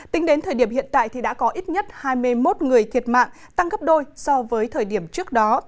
tính đến thời điểm hiện tại đã có ít nhất hai mươi một người thiệt mạng tăng gấp đôi so với thời điểm trước đó